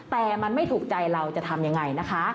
แต่มันไม่ถูกใจเราจะทำยังไงนะคะ